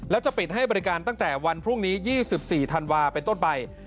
แล้วจะปิดให้บริการตั้งแต่วันพรุ่งนี้๒๔ธันวาเป็นต้นไป